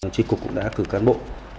chính cục cũng đã cử cán bộ